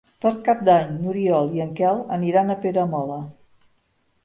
Per Cap d'Any n'Oriol i en Quel aniran a Peramola.